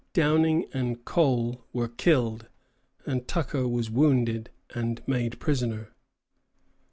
Downing and Cole were killed, and Tucker was wounded and made prisoner.